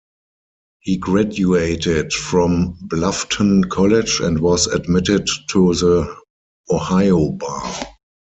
He graduated from Bluffton College and was admitted to the Ohio bar.